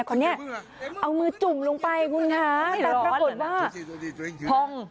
คนนี้เอามือจุ่มลงไปคุณคะแต่ปรากฏว่าพอง